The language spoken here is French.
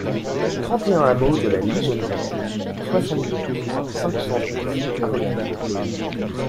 trente et un hameau de la Lijonnière, soixante-douze, cinq cent dix à Requeil